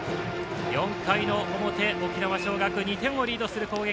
４回の表、沖縄尚学２点をリードする攻撃。